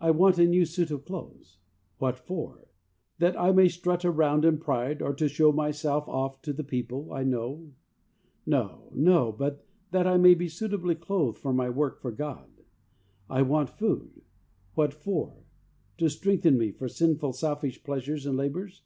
I want a new suit of clothes. What 88 THE WAY OP HOLINESS for ? That I may strut around in pride, or to show myself off to the people I know ? No, no, but that I may be suitably clothed for my work for God. I want food. What for? To strengthen me for sinful, selfish pleasures and labours?